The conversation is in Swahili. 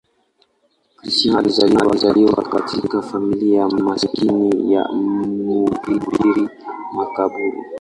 Christian alizaliwa katika familia maskini ya mhubiri makaburu.